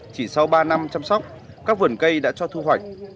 chỉ sau ba năm chăm sóc các vườn cây đã cho thu hoạch